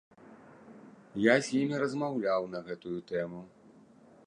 Я з імі размаўляў на гэтую тэму.